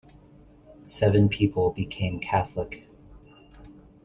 Seven people became Catholic.